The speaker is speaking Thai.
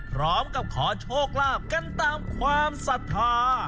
พร้อมกับขอโชคลาภกันตามความศรัทธา